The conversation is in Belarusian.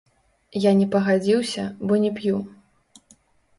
Я не пагадзіўся, бо не п'ю.